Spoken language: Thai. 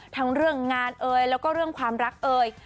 ทั้งเรื่องงานเอ่ยแล้วก็เรื่องความรักเอ่ย